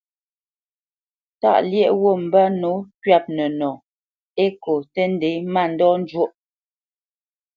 Tâʼ lyéʼ wút mbə́ nǒ twɛ̂p nənɔ Ekô tə́ ndě mándɔ njwóʼ.